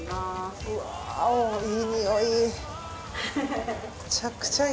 うわぁおいいにおい。